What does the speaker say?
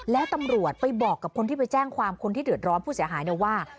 แล้วตำรวจไปบอกกับคนที่ไปแจ้งความคนที่เดือดร้อนผู้เสียหายเนี่ยว่า